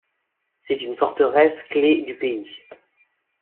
C'est une forteresse clef du pays.